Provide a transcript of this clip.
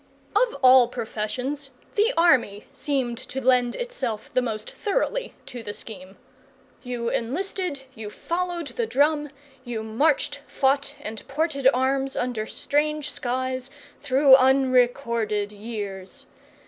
Of all professions, the army seemed to lend itself the most thoroughly to the scheme. You enlisted, you followed the drum, you marched, fought, and ported arms, under strange skies, through unrecorded years.